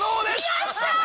よっしゃー！